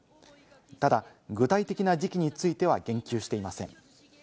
ただ、具体的な時期については言及していません。